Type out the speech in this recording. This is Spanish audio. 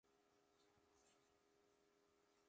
Fue enterrado en el Cementerio de Wenningstedt-Braderup.